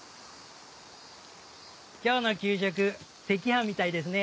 今日の給食赤飯みたいですね。